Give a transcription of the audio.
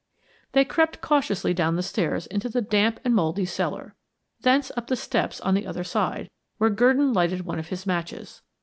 They crept cautiously down the stairs into the damp and moldy cellar; thence, up the steps on the other side, where Gurdon lighted one of his matches.